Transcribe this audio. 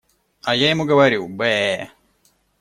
А я ему говорю: «Бэ-э!»